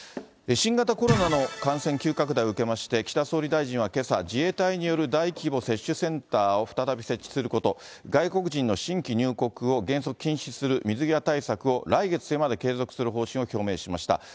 新型コロナの感染急拡大を受けまして、岸田総理大臣は、自衛隊による大規模接種センターを再び設置すること、外国人の新規入国を原則禁止する水際対策を来月末まで継続する方針を表明しました。